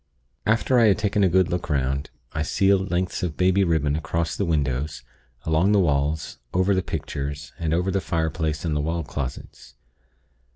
"After I had taken a good look 'round, I sealed lengths of baby ribbon across the windows, along the walls, over the pictures, and over the fireplace and the wall closets.